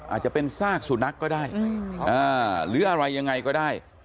อาจจะเป็นซากสุนัขก็ได้หรืออะไรยังไงก็ได้